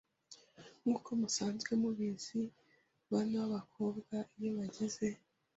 Nkuko musanzwe mubizi bana b’abakobwa iyo bageze